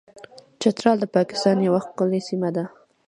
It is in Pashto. چترال د پاکستان یوه ښکلې سیمه ده.